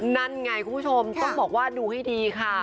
นั่นไงคุณผู้ชมต้องบอกว่าดูให้ดีค่ะ